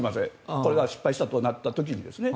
これが失敗したとなった時にですね。